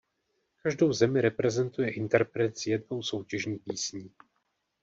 Každou zemi reprezentuje interpret s jednou soutěžní písní.